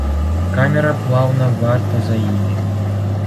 Камера плаўна варта за імі.